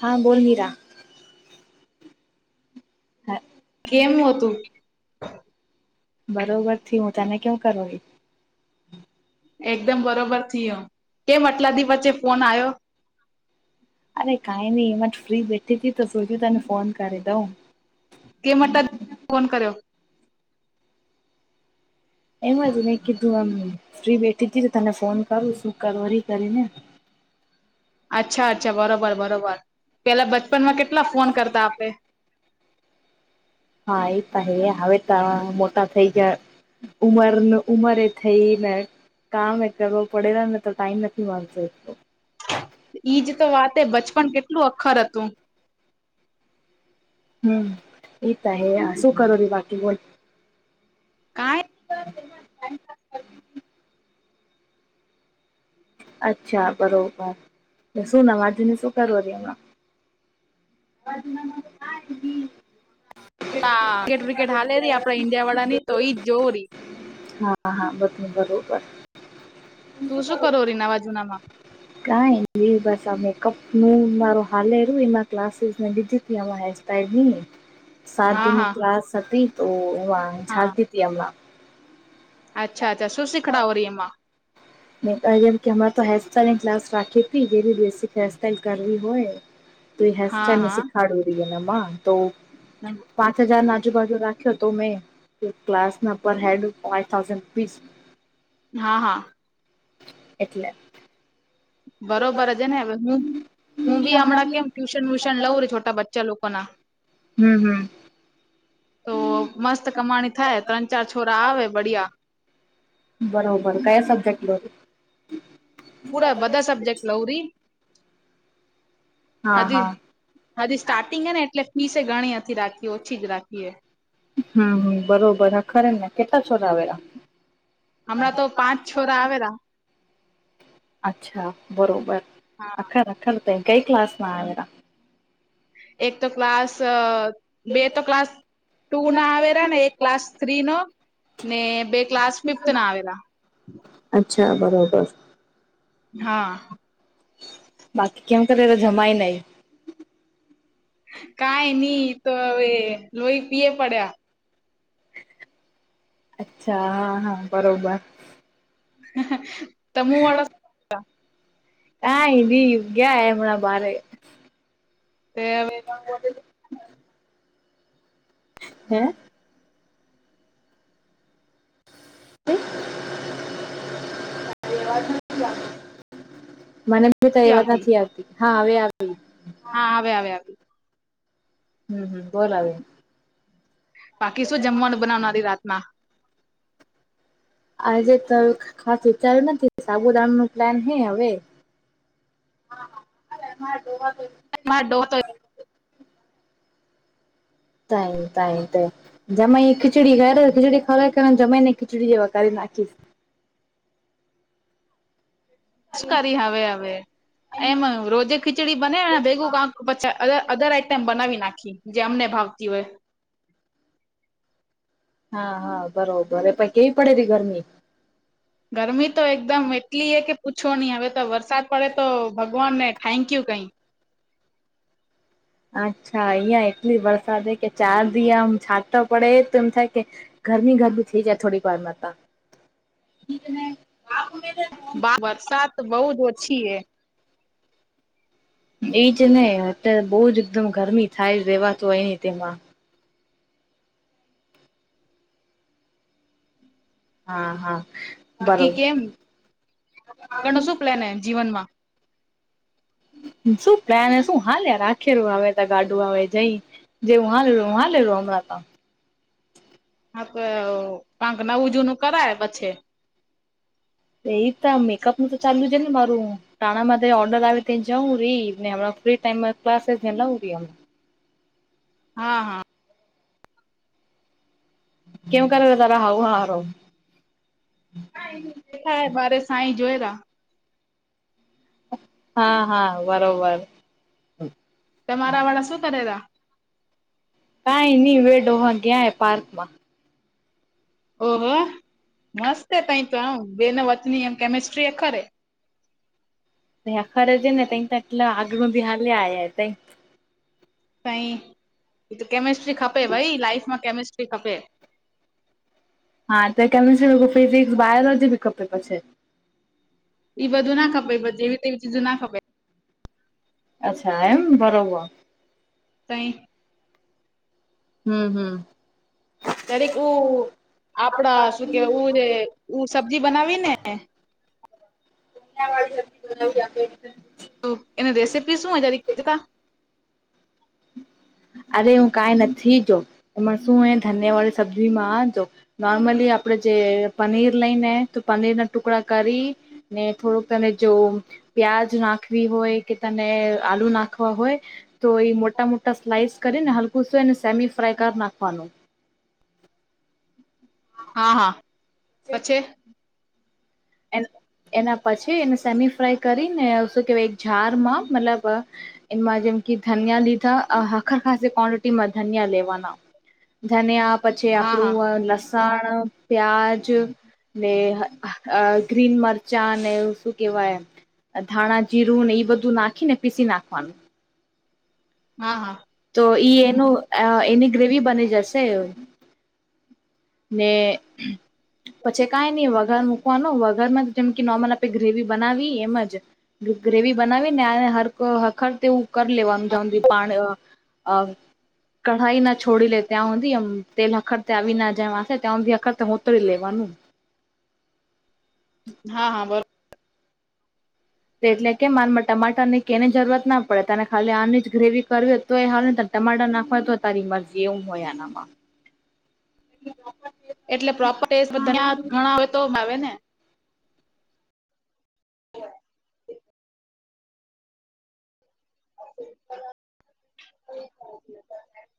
હા, બોલ મીરા. હા કેમ, હતું. બરોબરથી હું, તને કેમ કરું એકદમ બરોબર થયો, કેમ અટલાદી વચ્ચે ફોન આવ્યો અરે કાઈ નહી, એમાં જ ફ્રી બેઠી હતીી તો ફજ તને ફોન કરી દઉં કે ફોન કર્યો. એમાં જ નહી, કીધું અમે ફ્રી બેઠી હતી, તને ફોન કરું શું કરરી કરીને અચ્છા, અચ્છા બરોબર, બરોબર પેલા બચપનમા કેટલા ફોન કરતા આપડે હા, એ તો હે હવે, ત મોટા થઈ જાય ઉમર, ઉમરે એ થઈ ને કામ એકલે બહ પડેલા ને તો ટાઈમ નથી, મળતો ઈજ, તો વાતે બચપન કેટલું અખર હતું. હમ, એ તો હ શું કરો રી બાકી બોલ કઈ અચ્છા, બરોબર શું નવાજને શું કરવું ર હમાં [unintelligible] હા, ક્રિકેટ વ્રિકેટ હાલે રહી. આપડ ઈન્ડિયા વાળા ની તો ઈજ જોવું રહી હા, હા બધું બરોબર તું શું કરો રી નવા જૂનામાં કઈ નહીં, બસ્સ સા મેકઅપ નુ મારું હાું, એના ક્લાસને બીધું આ હેરસ્ટાઈલની સાત હા દિનની હા ક્લાસ હતી, તો હા ચાલતી હતી હમણાં અચ્છા, અચ્છા શું શીખડો ર એમાં મે કમ કે તો હેરસ્ટાઈલની ક્લાસ રાખી હતી. જેી બેસિક હેરસ્ટાાઈલ કરવી હોય તો હ હા હા શીખાડું રહીએમાં, તો પાંચ હજાર આજુબાજુ રા ખત ક્લાસના per head five, thousand rupees હા, હા. એટલે બરોબર હ છેને, હવે હું હું બી હમણાં કેમ ટ્યુશન વ્યુશન લઉં રે છોટા બચ્ચા લો હમ્મ, હમમ. તો મસ્ત કમાણી થાય, ત્રણ, ચાર છોરા આવે બડિયા બરોબર, કયા સબ્જેક્ટ લો પૂરા બધા સબ્જેક્ટ લવરી. હા હાજી, હા હજી સ્ટાર્ટિંગ ને એટલે ફીસે ઘણી હતી. રાખી ઓછી જ રાખીએ હમ, હમ બરોબર. આ ખરે ને કેટલા છોડ આવેેલા હમણાં, તો પાંચ છોરા, આવેલા અચ્છા બરોબર, હા અખર અખર કઈ ક્લાસમાં આવેલા એક તો ક્લાસ બે તો ક્લાસ ટુ ના આવેરા ને એ ક્લાસ થ્રી નો ને બે ક્લાસ ફિફ્થ ના આવેલા અચ્છા બરોબર હા બાકી કેમ કરે એ તો જમાય નહિ- કઈ નહી તો હવે લોહી પીએ પડ્યા અચ્છા હા હા બરોબર તમુઓળ કય ની એ ગયા હમણાં બારે [inaudible] વાળા હે હુ મને તો એવા નથી આવતી હા હવે આવી હા આવે આવે આવે હમ હમ બોલ હવે બાકી શું જમવાનું બનાવનાથી રાતમાં આજે તો ખાસ વિચાર્યું નથી સાબુદામ નું પ્લાન હે હવે મારા ડો તો [unintelligible] ત ત ખિચડી ખ ખિચડી ખરા કર જમાને ખિચડી વખત કરી નાખીશ શું કરી હવે હવે એમ રોજે ખીચડી બને ભેગું કાંક અધર આઈટમ બનાવી નાખે જે અમને ભાવતી હોય. હા હા બરોબર એ પ કેવી પડે ત ગરમી ગરમી તો એકદમ એટલી એ કે પૂછો નહી હવે તો વરસાદ પડે તો ભગવાનને થેન્કયુ કઈ અચ્છા અહિયાં એટલી વરસાદ હ કે ચાર દયામ છાતા પડે એ એમ થાય કે ઘરની [unintelligible] વરસાદ બહ જ ઓછી એ એ જ નહ અત્યારે બહ જ એકદમ ગરમી થાય રેવાત હોય ન તેમાં હા હા બાકી બરોબર કેમ આગળ ન શું પ્લેન એમ જીવનમાં શું પ્ને શું હાલ યાર આખેરું હવે ત ગાડું હવે જઈ જે હા લે હા લેું હમણાં તો હા તો કંક નવું જૂનું કરાય પછે એ ત મેકઅપ નું તો ચાલુ જ ને મારું ટાણામાં ઓર્ડર આવે ત્યા જવું રહી ફ્રી ટાઈમ ક્લાસ લાવ રી [inaudible] હા હા કેમ કરે તાર હઉ હાર કે થ મારે સાઈ જોયેરા હા હા બરોબર તમારા વાળા શું કરે ત કઈ નઈ વેડોવા ગ્યાય પાર્ક માં ઓહો મસ્ત એ તઈ તો આમ બેને વતની એમ કેમિસ્ટ્રી એ ખરે ખરે છે ને ત એટલા આગળ બી હાલે આ તા સાઈ એ તો કેમિસ્ટ્રી ખપે ભાઈ લાઈફમાં કેમિસ્ટ્રી ખપે હા તો કેમિસ્ટ્રી ફિઝિક્સ બાયોલોજી ભી ખપે પછી એ બધું ના ખપે જેવીવી ચીજો ના ખપે અચ્છા એમ બરોબર તય હમ હમ. ત્યારે ઉ આપડા શું કેવાય ઉ રે સબ્જી બનાવી ને [inaudible] એની રેસીપી શું રીતા [inaudible] અરે હું કાઈ નથી જો ને શું ધન્ય વાળી સબ્જીમાંજ જો નોર્મલી આપ પડે જે પનીર લઈને તો પનીરના ટુકડા કરી ને થોડોક એને જો પ્યાજ નાખવી હોય કે તમેં આલુ નાખવા હોય તો એ મો મોટા સ્લાઈસ કરુંને હલકું શે ને સમી ફ્રાય કપ નાખવાનું હા હા પછી એના પછી એને સમી ફ્રાઈ કરીને શું કેવાય ઝાર માં મતલબ એમાં જેમ કે ધન્યા લીધા આહા ખાસ ક્વોન્ટિટીમાં ધનિયા લેવાના ધનિયા પછી હા હા આપડું લસણ પ્યાજ ને ગ્રીન મરચા ને શું કેવાય ધાણા જીરું ને એ બધું નાખીને પીસી નાખવાનું હા હા તો ઈ એનું અ એની ગ્રેવી બની જશે. ને પછી કાંઈ ની વઘાર મૂકવાનો વઘારમાં જેમ કે નોર્મલ આપે ગ્રેવી બનાવી એમજ ગ્રેવી બનાવીને હર હખર તેવું કરી લેવાનું જ્યાં હુદી પાણ અ કઢાઈ ના છોડી લે ત્યાં સુધી એમ તેના ખતાવીના તેમાં શે કામ વખત હોતી લેવાનું હા હા બરો એટલે કેમ મારામાં ટમાટર ની કેની જરૂરત ના પડે તને ખાલી આ જ ગ્રેવી કરવી હો તો એ હ ટમાટર નાખવા તો તારી મરજી એવું હોય આનામાં એટલે પ્રોપર [unintelligible] બધા ઘણા હોય તો ભાવે ને [inaudible] [inaudible]